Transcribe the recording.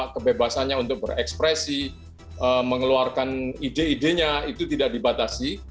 kebebasannya untuk berekspresi mengeluarkan ide idenya itu tidak dibatasi